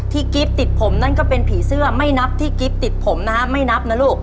กิ๊บติดผมนั่นก็เป็นผีเสื้อไม่นับที่กิ๊บติดผมนะฮะไม่นับนะลูก